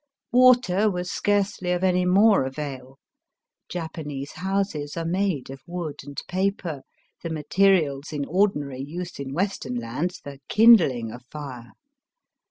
Water was scarcely of any more avail. Japanese houses are made of wood and paper, the materials in ordinary use in Western lands for kindhng a fire.